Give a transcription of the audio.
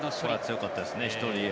強かったですね。